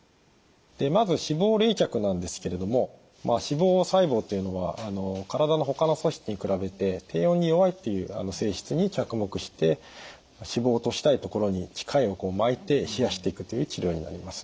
でまず脂肪冷却なんですけれども脂肪細胞というのは体のほかの組織に比べて低温に弱いっていう性質に着目して脂肪を落としたいところに機械を巻いて冷やしていくという治療になります。